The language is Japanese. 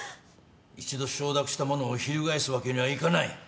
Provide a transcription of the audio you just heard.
一度承諾したものを翻すわけにはいかない。